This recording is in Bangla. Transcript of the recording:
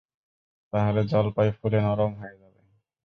তাহলে জলপাই ফুলে নরম হয়ে যাবে।